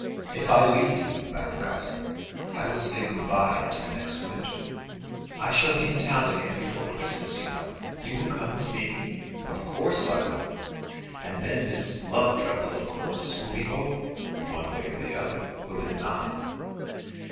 "If I leave you, Madame Goesler, I will say good bye till next winter." "I shall be in town again before Christmas, you know. You will come and see me?" "Of course I will." "And then this love trouble of course will be over, one way or the other; will it not?"